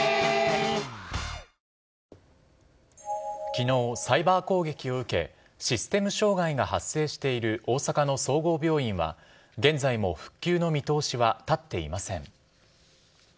きのう、サイバー攻撃を受け、システム障害が発生している大阪の総合病院は、現在も復旧の見通しは立っていません。